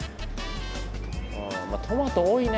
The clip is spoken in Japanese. ああトマト多いね。